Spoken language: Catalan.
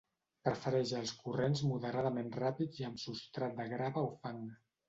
Prefereix els corrents moderadament ràpids i amb substrat de grava o fang.